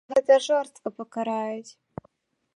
А за гэта жорстка пакараюць.